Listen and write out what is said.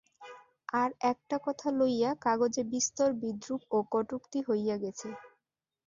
আর-একটা কথা লইয়া কাগজে বিস্তর বিদ্রূপ ও কটূক্তি হইয়া গেছে।